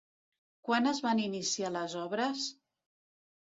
Quan es van iniciar les obres?